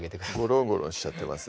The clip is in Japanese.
ゴロンゴロンしちゃってます